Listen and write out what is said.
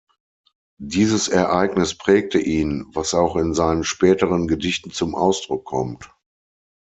Dieses Ereignis prägte ihn, was auch in seinen späteren Gedichten zum Ausdruck kommt.